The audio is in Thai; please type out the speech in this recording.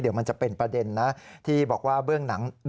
เดี๋ยวมันจะเป็นประเด็นนะที่บอกว่าเบื้องหนัง